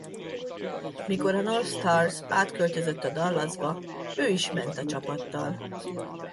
Mikor a North Stars átköltözött a Dallasba ő is ment a csapattal.